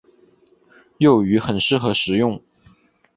幼鱼很适合食用。